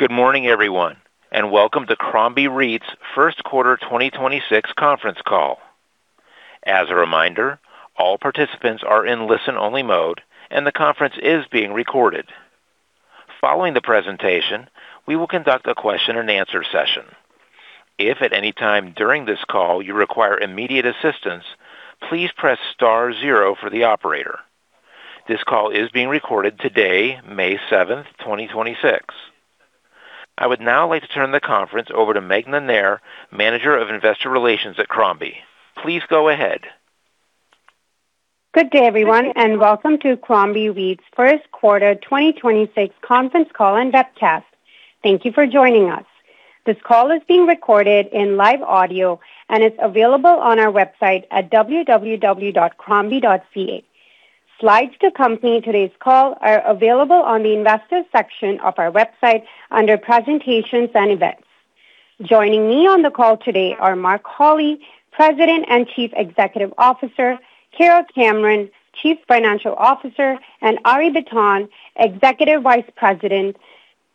Good morning, everyone, and welcome to Crombie REIT's Q1 2026 conference call. As a reminder, all participants are in listen-only mode, and the conference is being recorded. Following the presentation, we will conduct a question and answer session. If at any time during this call you require immediate assistance, please press star zero for the operator. This call is being recorded today, May 7, 2026. I would now like to turn the conference over to Meghna Nair, Manager of Investor Relations at Crombie. Please go ahead. Good day everyone, welcome to Crombie REIT's Q1 2026 conference call and webcast. Thank you for joining us. This call is being recorded in live audio and is available on our website at www.crombie.ca. Slides to accompany today's call are available on the investor section of our website under presentations and events. Joining me on the call today are Mark Holly, President and Chief Executive Officer; Kara Cameron, Chief Financial Officer; and Arie Bitton, Executive Vice President,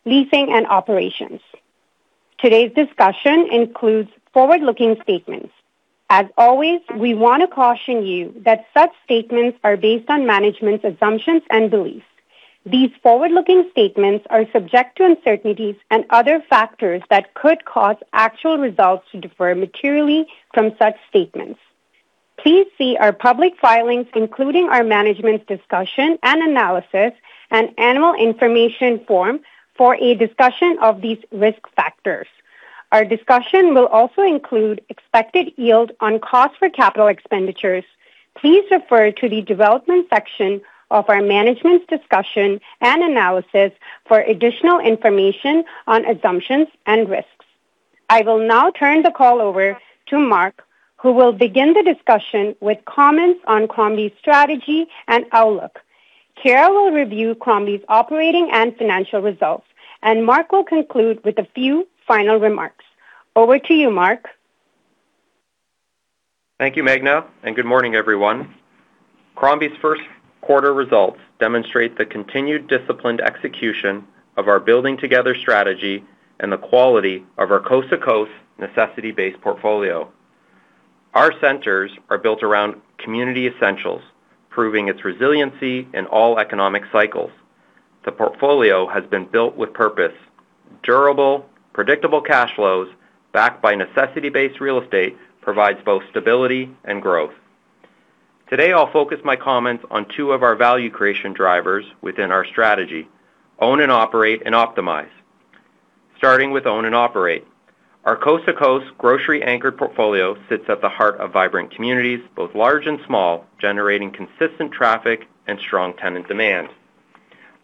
Leasing and Operations. Today's discussion includes forward-looking statements. As always, we want to caution you that such statements are based on management's assumptions and beliefs. These forward-looking statements are subject to uncertainties and other factors that could cause actual results to differ materially from such statements. Please see our public filings, including our Management's Discussion and Analysis and annual information form for a discussion of these risk factors. Our discussion will also include expected yield on cost for capital expenditures. Please refer to the development section of our Management's Discussion and Analysis for additional information on assumptions and risks. I will now turn the call over to Mark, who will begin the discussion with comments on Crombie's strategy and outlook. Kara will review Crombie's operating and financial results, and Mark will conclude with a few final remarks. Over to you, Mark. Thank you, Meghna, and good morning everyone. Crombie's Q1 results demonstrate the continued disciplined execution of our building together strategy and the quality of our coast-to-coast necessity-based portfolio. Our centers are built around community essentials, proving its resiliency in all economic cycles. The portfolio has been built with purpose. Durable, predictable cash flows backed by necessity-based real estate provides both stability and growth. Today, I'll focus my comments on two of our value creation drivers within our strategy: own and operate and optimize. Starting with own and operate. Our coast-to-coast grocery-anchored portfolio sits at the heart of vibrant communities, both large and small, generating consistent traffic and strong tenant demand.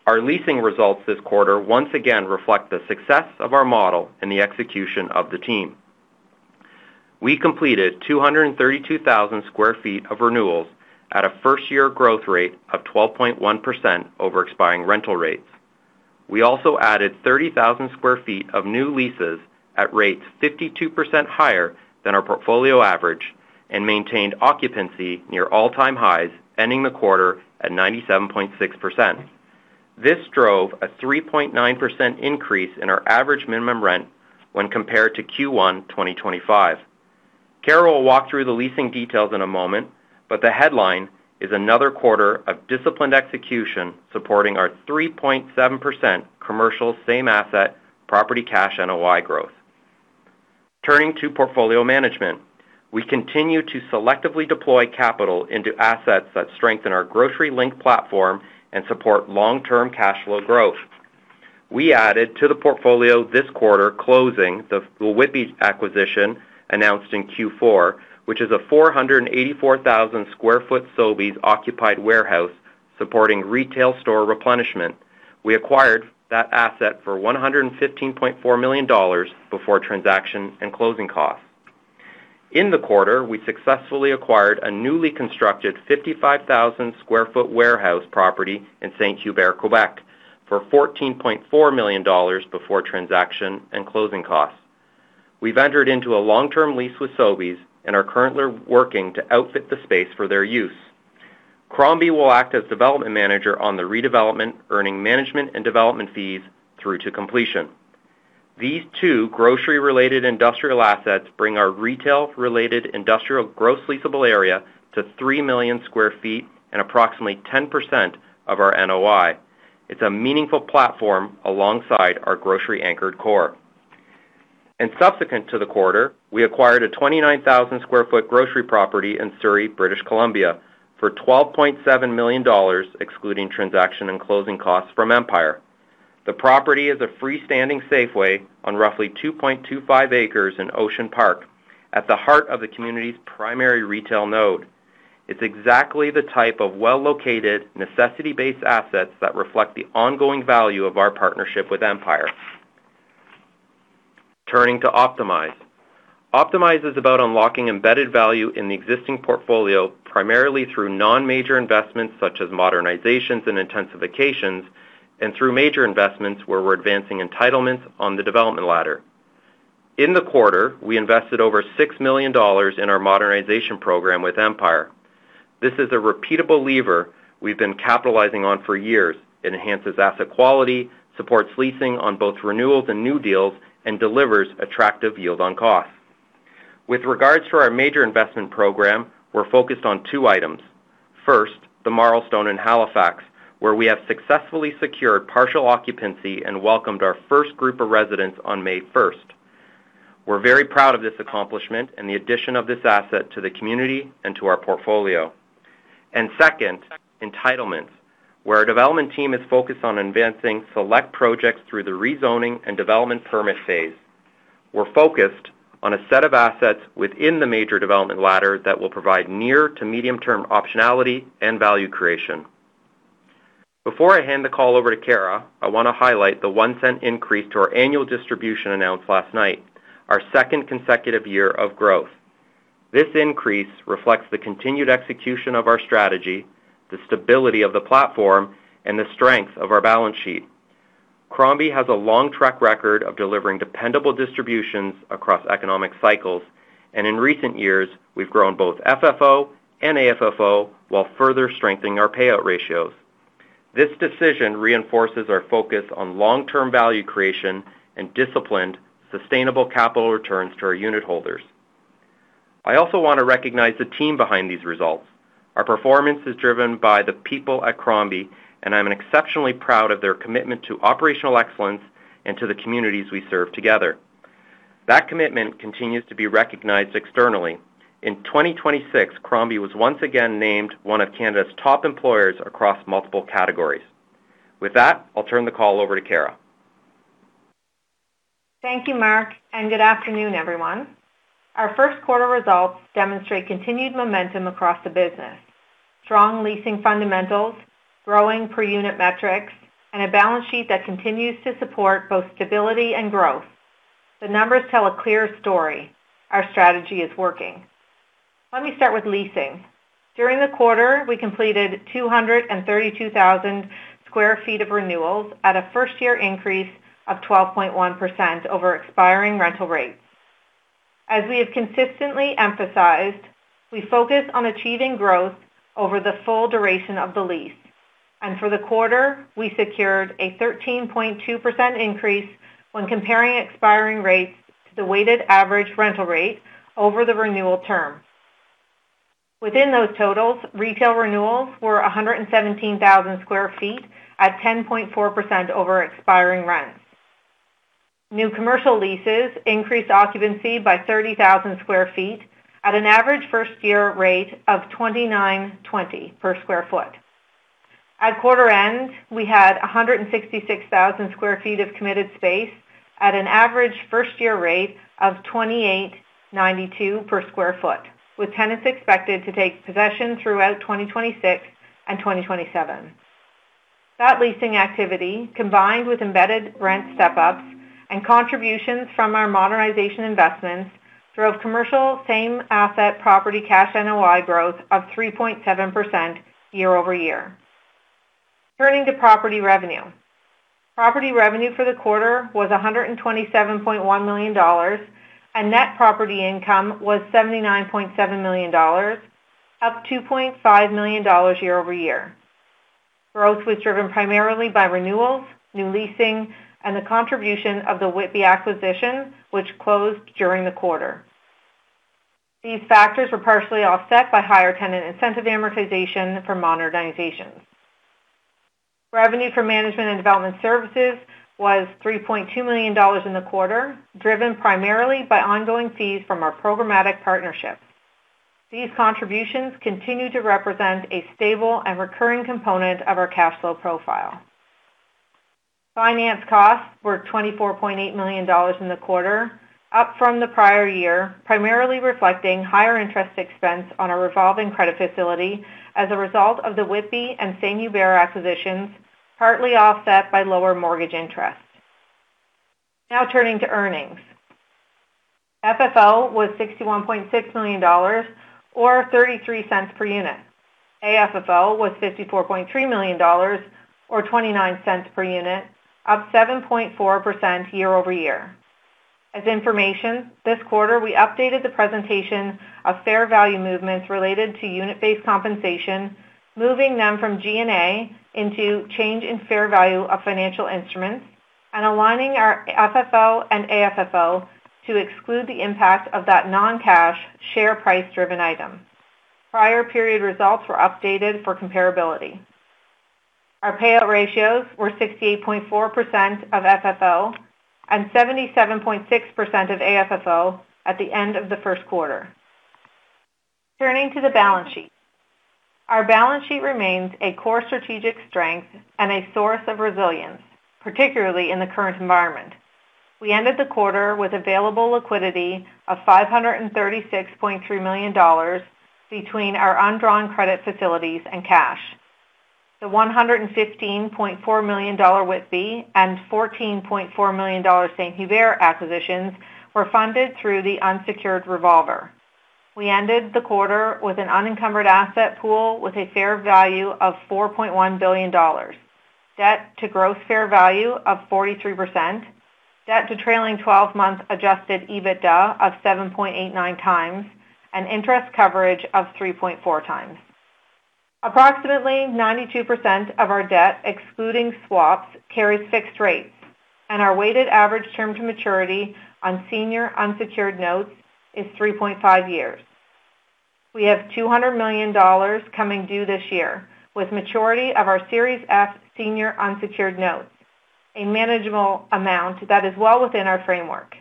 Our leasing results this quarter once again reflect the success of our model and the execution of the team. We completed 232,000 sq ft of renewals at a first-year growth rate of 12.1% over expiring rental rates. We also added 30,000 sq ft of new leases at rates 52% higher than our portfolio average and maintained occupancy near all-time highs, ending the quarter at 97.6%. This drove a 3.9% increase in our average minimum rent when compared to Q1 2025. Kara will walk through the leasing details in a moment, but the headline is another quarter of disciplined execution supporting our 3.7% commercial same-asset property cash NOI growth. Turning to portfolio management. We continue to selectively deploy capital into assets that strengthen our grocery-linked platform and support long-term cash flow growth. We added to the portfolio this quarter closing the Whitby's acquisition announced in Q4, which is a 484,000 sq ft Sobeys occupied warehouse supporting retail store replenishment. We acquired that asset for 115.4 million dollars before transaction and closing costs. In the quarter, we successfully acquired a newly constructed 55,000 sq ft warehouse property in StHubert, Quebec, for 14.4 million dollars before transaction and closing costs. We ventured into a long-term lease with Sobeys and are currently working to outfit the space for their use. Crombie will act as development manager on the redevelopment, earning management and development fees through to completion. These two grocery related industrial assets bring our retail related industrial gross leasable area to 3 million sq ft and approximately 10% of our NOI. It's a meaningful platform alongside our grocery-anchored core. Subsequent to the quarter, we acquired a 29,000 sq ft grocery property in Surrey, British Columbia for 12.7 million dollars, excluding transaction and closing costs from Empire. The property is a freestanding Safeway on roughly 2.25 acres in Ocean Park at the heart of the community's primary retail node. It's exactly the type of well-located necessity based assets that reflect the ongoing value of our partnership with Empire. Turning to Optimize. Optimize is about unlocking embedded value in the existing portfolio, primarily through non-major investments such as modernizations and intensifications, and through major investments where we're advancing entitlements on the development ladder. In the quarter, we invested over 6 million dollars in our modernization program with Empire. This is a repeatable lever we've been capitalizing on for years. It enhances asset quality, supports leasing on both renewals and new deals, and delivers attractive yield on cost. With regards to our major investment program, we're focused on two items. First, The Marlstone in Halifax, where we have successfully secured partial occupancy and welcomed our first group of residents on May 1. We're very proud of this accomplishment and the addition of this asset to the community and to our portfolio. Second, entitlements, where our development team is focused on advancing select projects through the rezoning and development permit phase. We're focused on a set of assets within the major development ladder that will provide near to medium-term optionality and value creation. Before I hand the call over to Kara, I want to highlight the 0.01 increase to our annual distribution announced last night, our second consecutive year of growth. This increase reflects the continued execution of our strategy, the stability of the platform, and the strength of our balance sheet. Crombie has a long track record of delivering dependable distributions across economic cycles, and in recent years, we've grown both FFO and AFFO while further strengthening our payout ratios. This decision reinforces our focus on long-term value creation and disciplined, sustainable capital returns to our unitholders. I also want to recognize the team behind these results. Our performance is driven by the people at Crombie, and I'm exceptionally proud of their commitment to operational excellence and to the communities we serve together. That commitment continues to be recognized externally. In 2026, Crombie was once again named one of Canada's top employers across multiple categories. With that, I'll turn the call over to Kara. Thank you, Mark, and good afternoon, everyone. Our Q1 results demonstrate continued momentum across the business. Strong leasing fundamentals, growing per unit metrics, and a balance sheet that continues to support both stability and growth. The numbers tell a clear story: our strategy is working. Let me start with leasing. During the quarter, we completed 232,000 sq ft of renewals at a first-year increase of 12.1% over expiring rental rates. As we have consistently emphasized, we focus on achieving growth over the full duration of the lease. For the quarter, we secured a 13.2% increase when comparing expiring rates to the weighted average rental rate over the renewal term. Within those totals, retail renewals were 117,000 sq ft at 10.4% over expiring rents. New commercial leases increased occupancy by 30,000 sq ft at an average first-year rate of 29.20 per sq ft. At quarter end, we had 166,000 sq ft of committed space at an average first-year rate of 28.92 per sq ft, with tenants expected to take possession throughout 2026 and 2027. That leasing activity, combined with embedded rent step-ups and contributions from our modernization investments, drove commercial same-asset property cash NOI growth of 3.7% YoY. Turning to property revenue. Property revenue for the quarter was 127.1 million dollars, and net property income was 79.7 million dollars, up 2.5 million dollars YoY. Growth was driven primarily by renewals, new leasing, and the contribution of the Whitby acquisition, which closed during the quarter. These factors were partially offset by higher tenant incentive amortization for modernizations. Revenue for management and development services was 3.2 million dollars in the quarter, driven primarily by ongoing fees from our programmatic partnerships. These contributions continue to represent a stable and recurring component of our cash flow profile. Finance costs were 24.8 million dollars in the quarter, up from the prior year, primarily reflecting higher interest expense on our revolving credit facility as a result of the Whitby and St-Hubert acquisitions, partly offset by lower mortgage interest. Now turning to earnings. FFO was 61.6 million dollars or 0.33 per unit. AFFO was 54.3 million dollars or 0.29 per unit, up 7.4% YoY. As information, this quarter, we updated the presentation of fair value movements related to unit-based compensation, moving them from G&A into change in fair value of financial instruments and aligning our FFO and AFFO to exclude the impact of that non-cash share price-driven item. Prior period results were updated for comparability. Our payout ratios were 68.4% of FFO and 77.6% of AFFO at the end of the Q1. Turning to the balance sheet. Our balance sheet remains a core strategic strength and a source of resilience, particularly in the current environment. We ended the quarter with available liquidity of 536.3 million dollars between our undrawn credit facilities and cash. The 115.4 million dollar Whitby and 14.4 million dollar St-Hubert acquisitions were funded through the unsecured revolver. We ended the quarter with an unencumbered asset pool with a fair value of 4.1 billion dollars. Debt to gross fair value of 43%. Debt to trailing 12-month adjusted EBITDA of 7.89 times, and interest coverage of 3.4 times. Approximately 92% of our debt, excluding swaps, carries fixed rates, and our weighted average term to maturity on senior unsecured notes is 3.5 years. We have 200 million dollars coming due this year, with maturity of our Series F senior unsecured notes, a manageable amount that is well within our framework.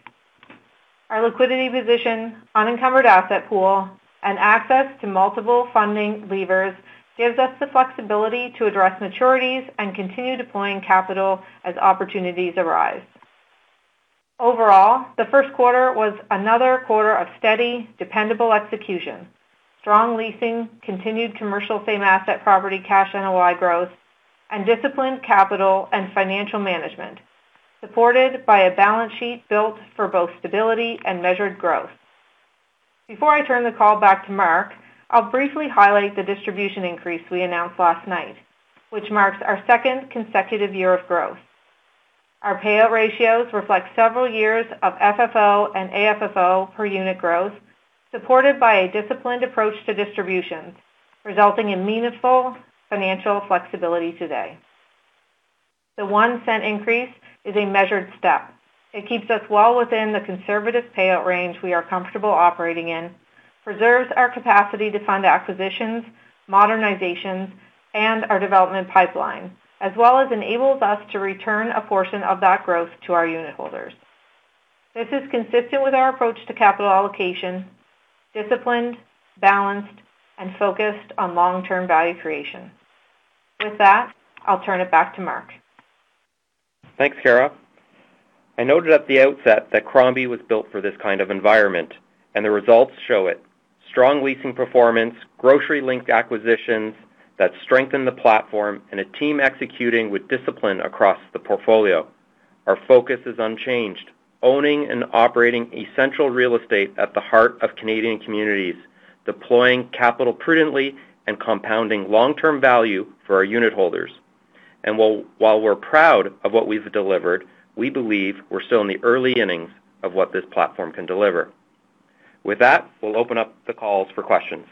Our liquidity position, unencumbered asset pool, and access to multiple funding levers gives us the flexibility to address maturities and continue deploying capital as opportunities arise. Overall, Q1 was another quarter of steady, dependable execution, strong leasing, continued commercial same-asset property cash NOI growth, and disciplined capital and financial management, supported by a balance sheet built for both stability and measured growth. Before I turn the call back to Mark, I'll briefly highlight the distribution increase we announced last night, which marks our second consecutive year of growth. Our payout ratios reflect several years of FFO and AFFO per unit growth, supported by a disciplined approach to distributions, resulting in meaningful financial flexibility today. The 0.01 increase is a measured step. It keeps us well within the conservative payout range we are comfortable operating in, preserves our capacity to fund acquisitions, modernizations, and our development pipeline, as well as enables us to return a portion of that growth to our unit holders. This is consistent with our approach to capital allocation, disciplined, balanced, and focused on long-term value creation. With that, I'll turn it back to Mark. Thanks, Kara. I noted at the outset that Crombie was built for this kind of environment, and the results show it. Strong leasing performance, grocery-anchored acquisitions that strengthen the platform, and a team executing with discipline across the portfolio. Our focus is unchanged: owning and operating essential real estate at the heart of Canadian communities, deploying capital prudently and compounding long-term value for our unit holders. While we're proud of what we've delivered, we believe we're still in the early innings of what this platform can deliver. With that, we'll open up the calls for questions.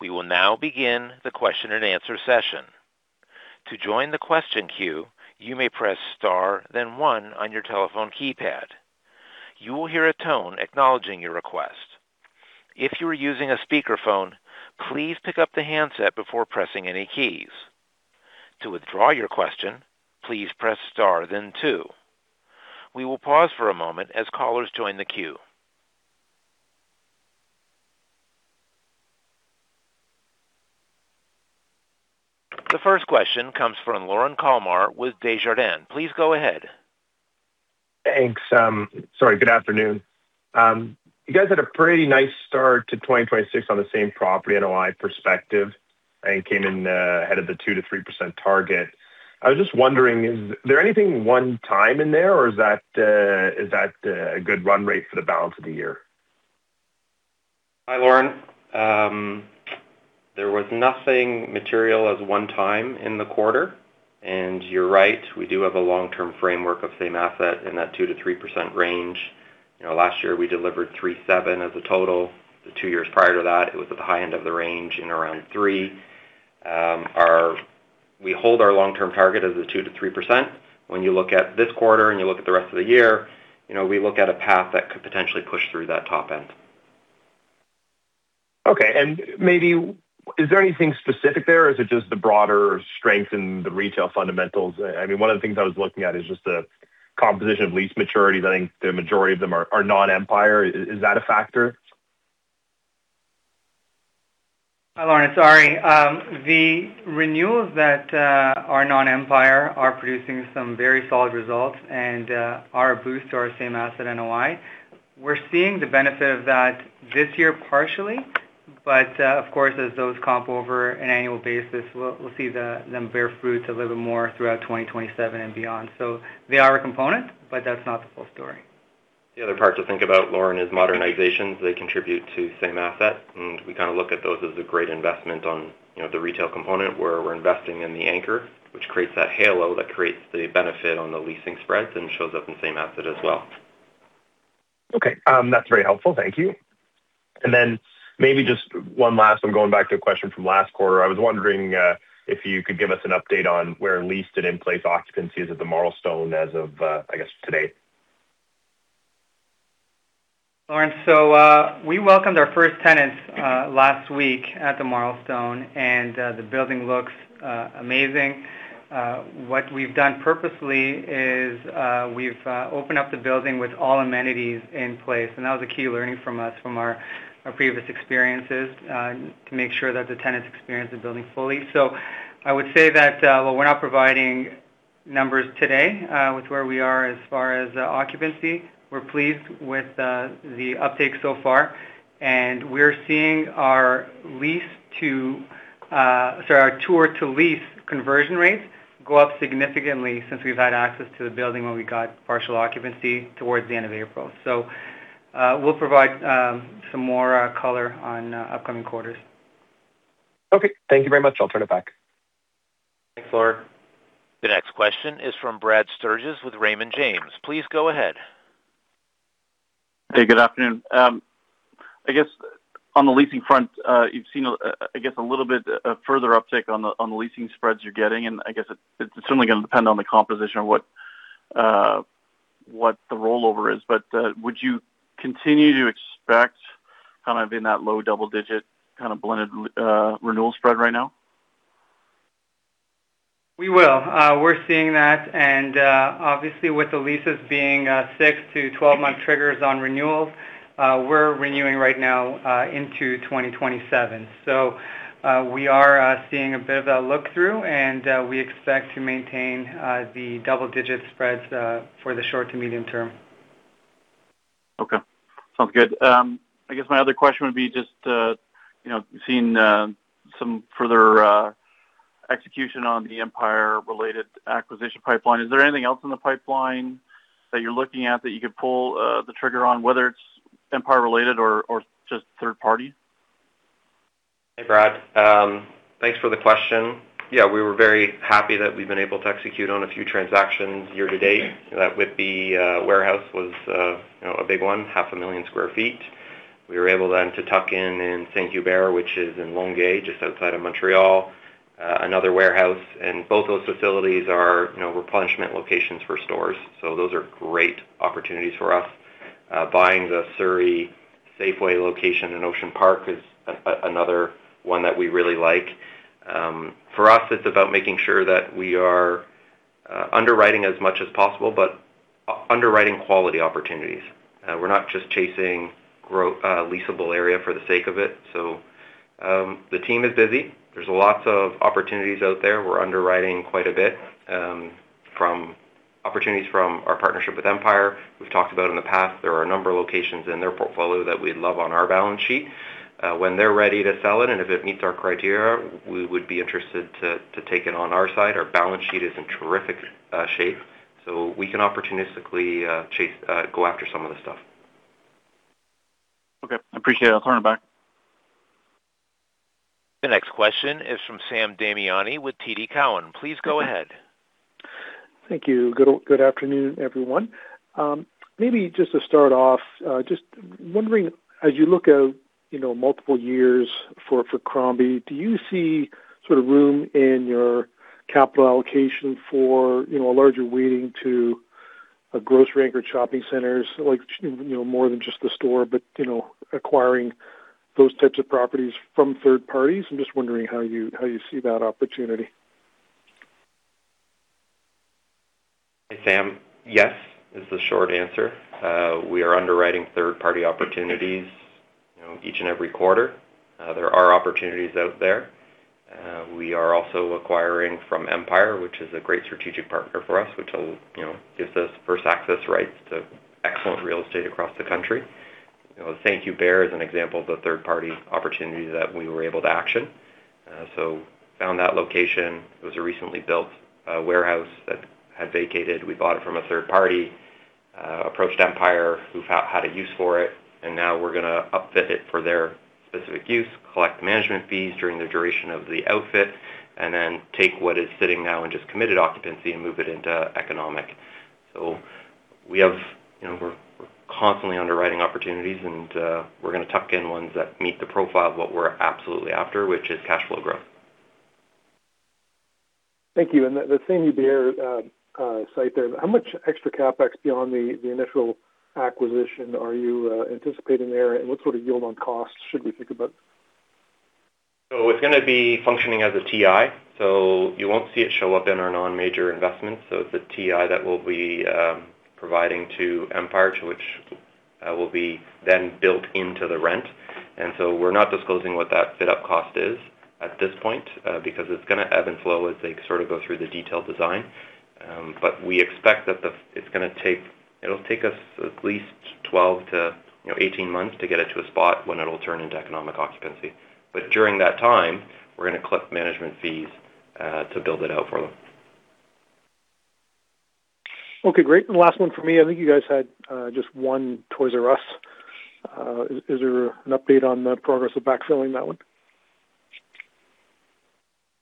We will now begin the question and answer session. The first question comes from Lorne Kalmar with Desjardins. Please go ahead. Thanks, Sorry, good afternoon. You guys had a pretty nice start to 2026 on the same property NOI perspective and came in ahead of the 2%-3% target. I was just wondering, is there anything one time in there, or is that a good run rate for the balance of the year? Hi, Lorne. There was nothing material as one-time in the quarter. You're right, we do have a long-term framework of same asset in that 2% to 3% range. You know, last year, we delivered 3.7% as a total. The two years prior to that, it was at the high end of the range in around 3%. We hold our long-term target as the 2% to 3%. When you look at this quarter and you look at the rest of the year, you know, we look at a path that could potentially push through that top end. Maybe is there anything specific there, or is it just the broader strength in the retail fundamentals? I mean, one of the things I was looking at is just the composition of lease maturities. I think the majority of them are non-Empire. Is that a factor? Hi, Lorne. Sorry. The renewals that are non-Empire are producing some very solid results and are a boost to our Same Asset NOI. We're seeing the benefit of that this year partially, but, of course, as those comp over an annual basis, we'll see them bear fruit a little more throughout 2027 and beyond. They are a component, but that's not the full story. The other part to think about, Lorne, is modernizations. They contribute to same asset, and we kind of look at those as a great investment on, you know, the retail component, where we're investing in the anchor, which creates that halo that creates the benefit on the leasing spreads and shows up in same asset as well. Okay. That's very helpful. Thank you. Maybe just one last one, going back to a question from last quarter. I was wondering if you could give us an update on where leased and in place occupancy is at The Marlstone as of today. Lorne, we welcomed our first tenants last week at The Marlstone, and the building looks amazing. What we've done purposely is we've opened up the building with all amenities in place, and that was a key learning from us from our previous experiences to make sure that the tenants experience the building fully. I would say that while we're not providing numbers today with where we are as far as occupancy, we're pleased with the uptake so far. We're seeing our tour-to-lease conversion rates go up significantly since we've had access to the building when we got partial occupancy towards the end of April. We'll provide some more color on upcoming quarters. Okay. Thank you very much. I'll turn it back. Thanks, Lorne. The next question is from Brad Sturges with Raymond James. Please go ahead. Hey, good afternoon. I guess on the leasing front, you've seen a little bit further uptake on the leasing spreads you're getting, and I guess it's certainly gonna depend on the composition of what the rollover is. Would you continue to expect kind of in that low double-digit kind of blended renewal spread right now? We will. We are seeing that. Obviously, with the leases being 6-12 month triggers on renewals, we are renewing right now into 2027. We are seeing a bit of a look-through, and we expect to maintain the double-digit spreads for the short to medium term. Okay. Sounds good. I guess my other question would be just, you know, seeing some further execution on the Empire-related acquisition pipeline. Is there anything else in the pipeline that you're looking at that you could pull the trigger on, whether it's Empire-related or just third party? Hey, Brad. Thanks for the question. Yeah, we were very happy that we've been able to execute on a few transactions year to date. That Whitby warehouse was, you know, a big 1, 500,000 sq ft. We were able then to tuck in in Saint-Hubert, which is in Longueuil, just outside of Montreal, another warehouse. Both those facilities are, you know, replenishment locations for stores. Those are great opportunities for us. Buying the Surrey Safeway location in Ocean Park is another one that we really like. For us, it's about making sure that we are underwriting as much as possible, but underwriting quality opportunities. We're not just chasing leasable area for the sake of it. The team is busy. There's lots of opportunities out there. We're underwriting quite a bit from opportunities from our partnership with Empire. We've talked about in the past, there are a number of locations in their portfolio that we'd love on our balance sheet. When they're ready to sell it and if it meets our criteria, we would be interested to take it on our side. Our balance sheet is in terrific shape, so we can opportunistically go after some of the stuff. Okay, appreciate it. I'll turn it back. The next question is from Sam Damiani with TD Cowen. Please go ahead. Thank you. Good afternoon, everyone. Maybe just to start off, just wondering, as you look out, you know, multiple years for Crombie, do you see sort of room in your capital allocation for, you know, a larger weighting to a grocery-anchored shopping centers, like, you know, more than just the store, but, you know, acquiring those types of properties from third parties? I'm just wondering how you see that opportunity. Hey, Sam. Yes is the short answer. We are underwriting third-party opportunities, you know, each and every quarter. There are opportunities out there. We are also acquiring from Empire, which is a great strategic partner for us, which will, you know, gives us first access rights to excellent real estate across the country. You know, Saint Hubert is an example of a third-party opportunity that we were able to action. Found that location. It was a recently built warehouse that had vacated. We bought it from a third party, approached Empire, who had a use for it, and now we're gonna upfit it for their specific use, collect management fees during the duration of the upfit, and then take what is sitting now in just committed occupancy and move it into economic. You know, we're constantly underwriting opportunities, and we're gonna tuck in ones that meet the profile of what we're absolutely after, which is cash flow growth. Thank you. The Saint Hubert site there, how much extra CapEx beyond the initial acquisition are you anticipating there, and what sort of yield on costs should we think about? It's gonna be functioning as a TI, so you won't see it show up in our non-major investments. It's a TI that we'll be providing to Empire, to which will be then built into the rent. We're not disclosing what that fit-up cost is at this point, because it's gonna ebb and flow as they sort of go through the detailed design. We expect that it'll take us at least 12-18 months to get it to a spot when it'll turn into economic occupancy. During that time, we're gonna collect management fees to build it out for them. Okay, great. Last one from me. I think you guys had just one Toys R Us. Is there an update on the progress of backfilling that one?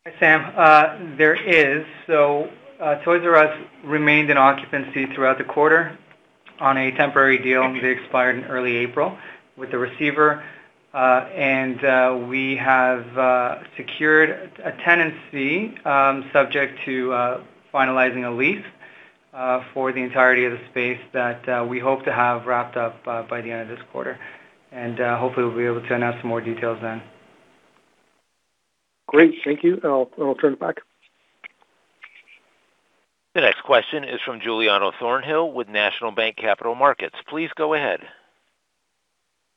Hi, Sam. There is. Toys R Us remained in occupancy throughout the quarter on a temporary deal. They expired in early April with the receiver. We have secured a tenancy, subject to finalizing a lease, for the entirety of the space that we hope to have wrapped up by the end of this quarter. Hopefully, we will be able to announce some more details then. Great. Thank you. I'll turn it back. The next question is from Giuliano Thornhill with National Bank Capital Markets. Please go ahead.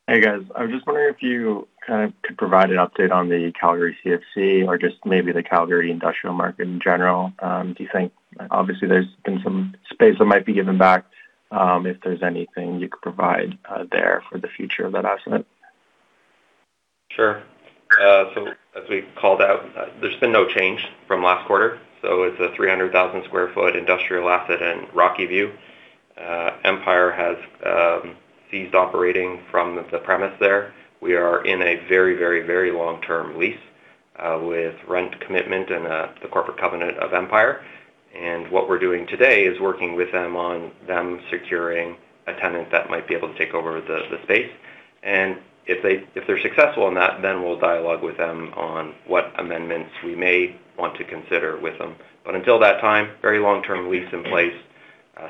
Hey, guys. I'm just wondering if you kind of could provide an update on the Calgary CFC or just maybe the Calgary industrial market in general. Obviously, there's been some space that might be given back If there's anything you could provide there for the future of that asset. Sure. As we called out, there's been no change from last quarter, it's a 300,000 sq ft industrial asset in Rocky View. Empire has ceased operating from the premise there. We are in a very, very, very long-term lease, with rent commitment and the corporate covenant of Empire. What we're doing today is working with them on them securing a tenant that might be able to take over the space. If they're successful in that, then we'll dialogue with them on what amendments we may want to consider with them. Until that time, very long-term lease in place,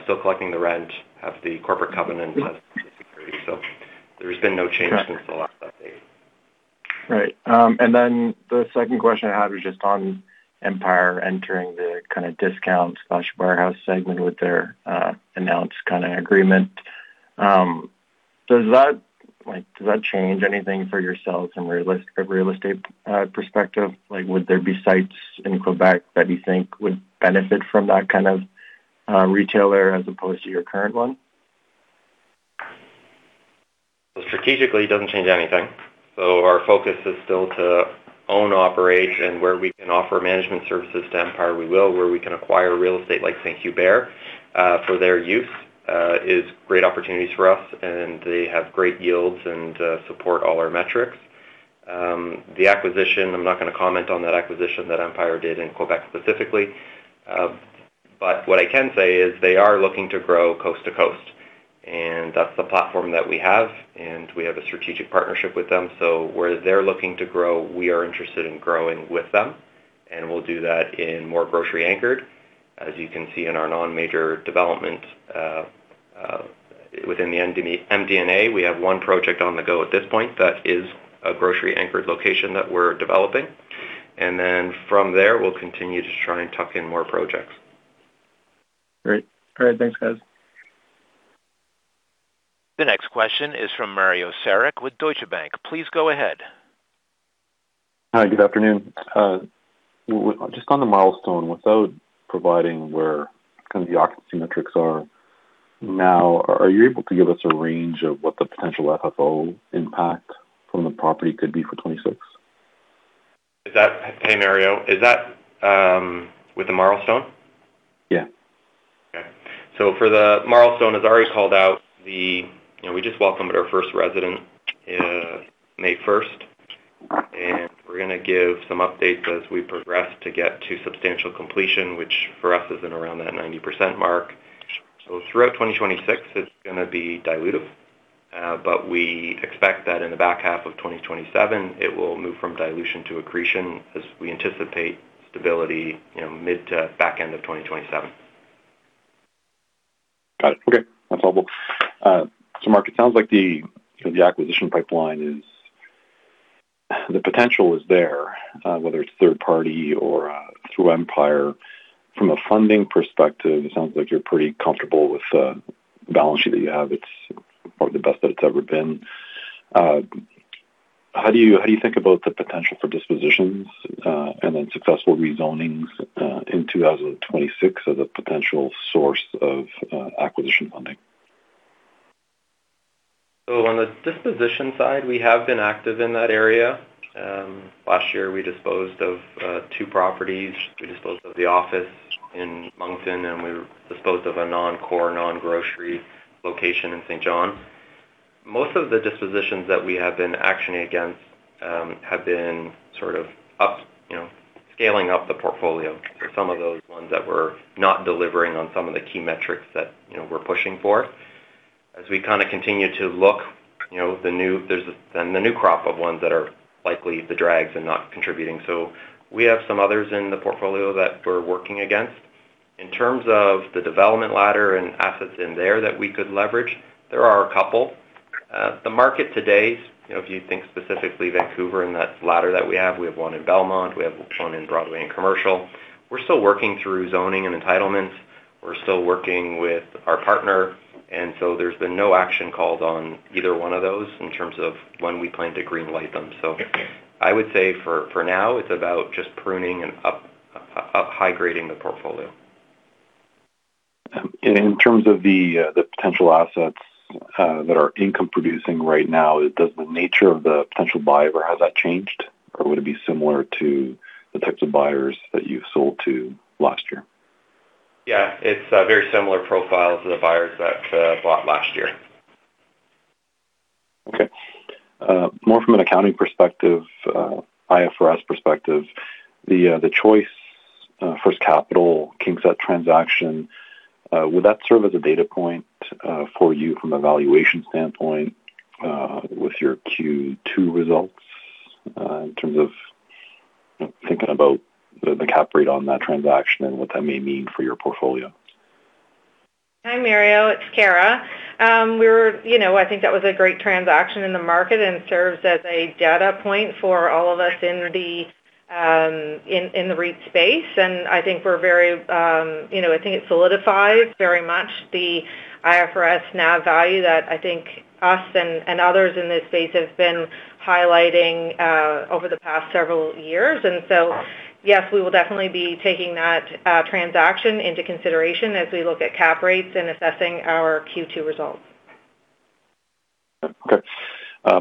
still collecting the rent, have the corporate covenant as the security. There's been no change since the last update. Right. The second question I had was just on Empire entering the kind of discount/warehouse segment with their announced kind of agreement. Like, does that change anything for yourselves from a real estate perspective? Like, would there be sites in Quebec that you think would benefit from that kind of retailer as opposed to your current one? Strategically, it doesn't change anything. Our focus is still to own operation. Where we can offer management services to Empire, we will. Where we can acquire real estate like St-Hubert, for their use, is great opportunities for us, and they have great yields and support all our metrics. The acquisition, I'm not gonna comment on that acquisition that Empire did in Quebec specifically. What I can say is they are looking to grow coast to coast, and that's the platform that we have, and we have a strategic partnership with them. Where they're looking to grow, we are interested in growing with them, and we'll do that in more grocery-anchored. As you can see in our non-major development within the MD&A, we have one project on the go at this point that is a grocery-anchored location that we're developing. Then from there, we'll continue to try and tuck in more projects. Great. All right. Thanks, guys. The next question is from Mario Saric with Scotiabank. Please go ahead. Hi, good afternoon. Just on The Marlstone, without providing where kind of the occupancy metrics are now, are you able to give us a range of what the potential FFO impact from the property could be for 2026? Hey, Mario. Is that with The Marlstone? Yeah. For The Marlstone, as already called out, you know, we just welcomed our first resident, May 1st, and we're going to give some updates as we progress to get to substantial completion, which for us is in around that 90% mark. Throughout 2026, it's going to be dilutive. We expect that in the back half of 2027, it will move from dilution to accretion as we anticipate stability, you know, mid to back end of 2027. Got it. Okay. That's helpful. Mark, it sounds like the, you know, the acquisition pipeline the potential is there, whether it's third party or through Empire. From a funding perspective, it sounds like you're pretty comfortable with the balance sheet that you have. It's probably the best that it's ever been. How do you, how do you think about the potential for dispositions, and then successful rezonings, in 2026 as a potential source of acquisition funding? On the disposition side, we have been active in that area. Last year, we disposed of two properties. We disposed of the office in Moncton, and we disposed of a non-core, non-grocery location in St. John. Most of the dispositions that we have been actioning against have been sort of up, you know, scaling up the portfolio for some of those ones that were not delivering on some of the key metrics that, you know, we're pushing for. As we kind of continue to look, you know, the new crop of ones that are likely the drags and not contributing. We have some others in the portfolio that we're working against. In terms of the development ladder and assets in there that we could leverage, there are a couple. The market today, you know, if you think specifically Vancouver and that ladder that we have, we have one in Belmont, we have one in Broadway and Commercial. We're still working through zoning and entitlements. We're still working with our partner. There's been no action called on either one of those in terms of when we plan to green light them. I would say for now, it's about just pruning and up high grading the portfolio. In terms of the potential assets that are income producing right now, does the nature of the potential buyer, has that changed, or would it be similar to the types of buyers that you've sold to last year? Yeah. It's a very similar profile to the buyers that bought last year. Okay. More from an accounting perspective, IFRS perspective, the Choice First Capital KingSett transaction, would that serve as a data point for you from a valuation standpoint with your Q2 results in terms of, you know, thinking about the cap rate on that transaction and what that may mean for your portfolio? Hi, Mario. It's Kara. You know, I think that was a great transaction in the market and serves as a data point for all of us in the REIT space. I think we're very, you know, I think it solidifies very much the IFRS NAV value that I think us and others in this space have been highlighting over the past several years. Yes, we will definitely be taking that transaction into consideration as we look at cap rates and assessing our Q2 results. Okay.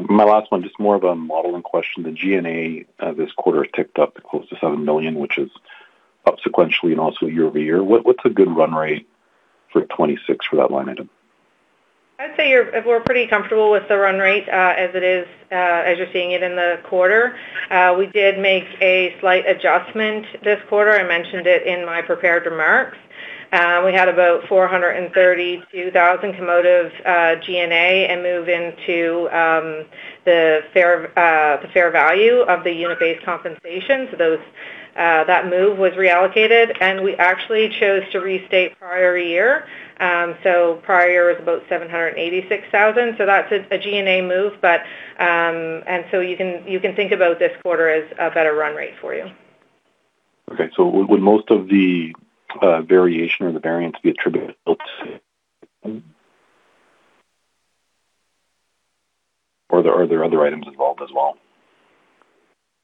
my last one, just more of a modeling question. The G&A, this quarter ticked up close to 7 million, which is up sequentially and also year-over-year. What's a good run rate for 2026 for that line item? I'd say we're pretty comfortable with the run rate as it is as you're seeing it in the quarter. We did make a slight adjustment this quarter. I mentioned it in my prepared remarks. We had about 432,000 cumulative G&A and move into the fair value of the unit-based compensation. That move was reallocated, and we actually chose to restate prior year. Prior year is about 786,000, so that's a G&A move. You can think about this quarter as a better run rate for you. Okay. Would most of the variation or the variance be attributed to Or are there other items involved as well?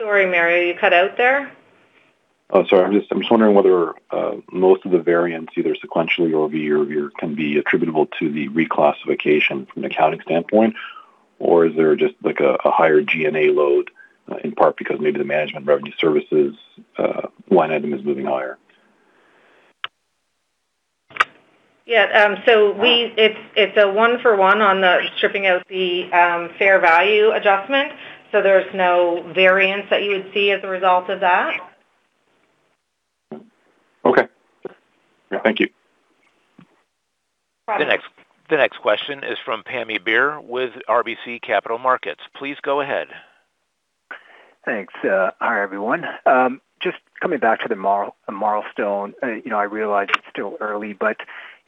Sorry, Mario, you cut out there. Oh, sorry. I'm just wondering whether most of the variance, either sequentially or year-over-year, can be attributable to the reclassification from an accounting standpoint. Is there just like a higher G&A load in part because maybe the management revenue services line item is moving higher? It's a one for one on the stripping out the fair value adjustment. There's no variance that you would see as a result of that. Okay. Thank you. No problem. The next question is from Pammi Bir with RBC Capital Markets. Please go ahead. Thanks. Hi, everyone. Just coming back to the Marlstone. You know, I realize it's still early, but,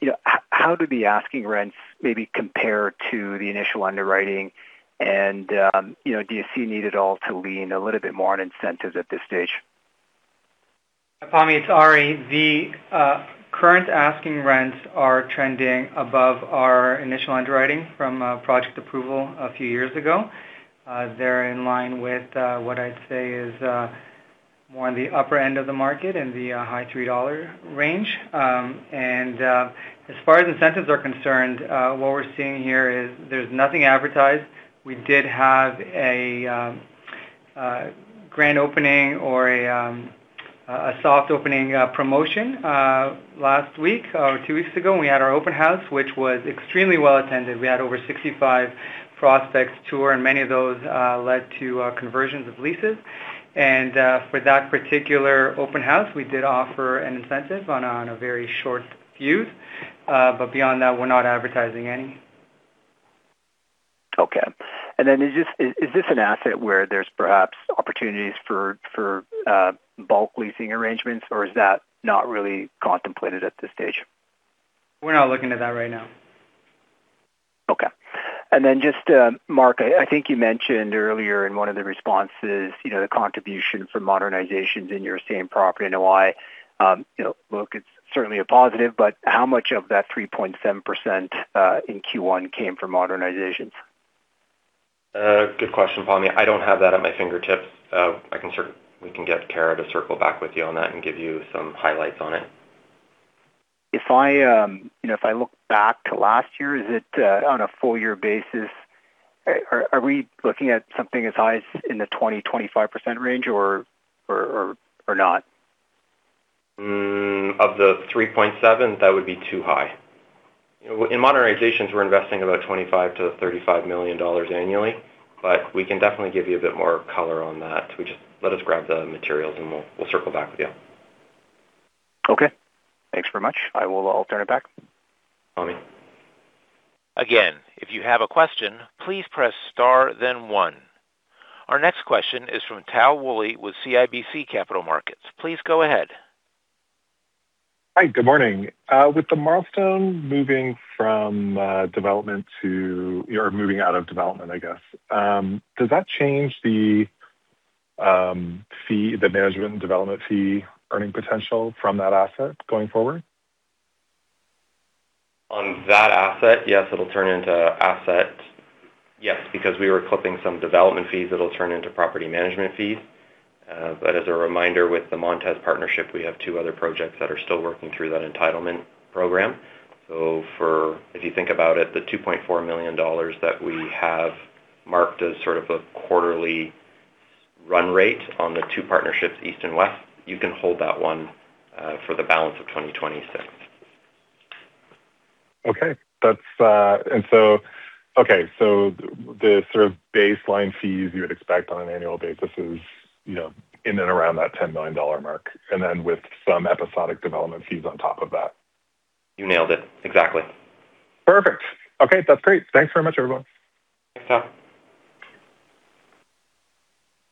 you know, how do the asking rents maybe compare to the initial underwriting? You know, do you see need at all to lean a little bit more on incentives at this stage? Pammi, it's Ari. The current asking rents are trending above our initial underwriting from project approval a few years ago. They're in line with what I'd say is more on the upper end of the market in the high 3 dollar range. And as far as incentives are concerned, what we're seeing here is there's nothing advertised. We did have a grand opening or a soft opening promotion last week or two weeks ago, and we had our open house, which was extremely well attended. We had over 65 prospects tour, and many of those led to conversions of leases. For that particular open house, we did offer an incentive on a very short view. Beyond that, we're not advertising any. Okay. Is this an asset where there's perhaps opportunities for bulk leasing arrangements, or is that not really contemplated at this stage? We're not looking at that right now. Okay. Then just, Mark, I think you mentioned earlier in one of the responses, you know, the contribution for modernizations in your same property NOI, you know, look, it's certainly a positive, but how much of that 3.7% in Q1 came from modernizations? Good question, Pammi. I don't have that at my fingertips. We can get Kara to circle back with you on that and give you some highlights on it. If I, you know, if I look back to last year, is it on a full year basis, are we looking at something as high as in the 20%-25% range or not? Of the 3.7, that would be too high. You know, in modernizations, we're investing about 25 million-35 million dollars annually, but we can definitely give you a bit more color on that. Let us grab the materials, and we'll circle back with you. Okay. Thanks very much. I will alternate back. Pammi. Our next question is from Tal Woolley with CIBC Capital Markets. Please go ahead. Hi, good morning. With The Marlstone moving from development or moving out of development, I guess, does that change the fee, the management and development fee earning potential from that asset going forward? On that asset, yes, it'll turn into asset. Yes, because we were clipping some development fees, it'll turn into property management fees. As a reminder, with the Montez partnership, we have two other projects that are still working through that entitlement program. If you think about it, the 2.4 million dollars that we have marked as sort of a quarterly run rate on the two partnerships, east and west, you can hold that one for the balance of 2026. Okay. That's okay. The sort of baseline fees you would expect on an annual basis is, you know, in and around that 10 million dollar mark, and then with some episodic development fees on top of that. You nailed it. Exactly. Perfect. Okay, that's great. Thanks very much, everyone. Thanks, Tal.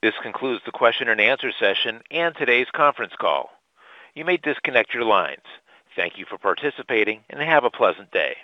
This concludes the question and answer session and today's conference call. You may disconnect your lines. Thank you for participating, and have a pleasant day.